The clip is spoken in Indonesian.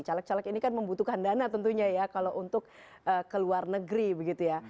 caleg caleg ini kan membutuhkan dana tentunya ya kalau untuk ke luar negeri begitu ya